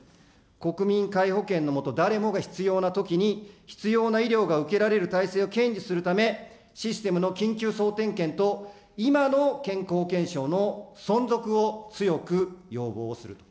国民皆保険の下、誰もが必要なときに、必要な医療が受けられる体制を堅持するため、システムの緊急総点検と、今の健康保険証の存続を強く要望をすると。